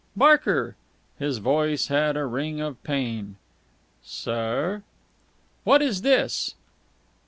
"Barker!" His voice had a ring of pain. "Sir?" "What's this?"